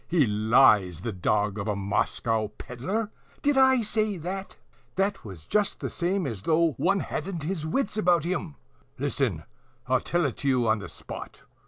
he lies, the dog of a Moscow pedler! Did I say that? 'TWAS JUST THE SAME AS THOUGH ONE HADN'T HIS WITS ABOUT HIM. Listen. I'll tell it to you on the spot."